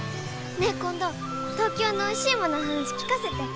ねえ今度東京のおいしいものの話聞かせて。